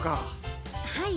はい。